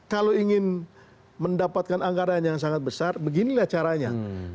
kalau ingin mendapatkan anggaran yang sangat besar beginilah caranya